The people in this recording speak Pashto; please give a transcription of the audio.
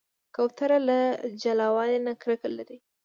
کوتره له جلاوالي نه کرکه لري.